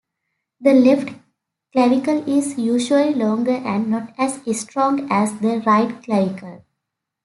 The left clavicle is usually longer and not as strong as the right clavicle.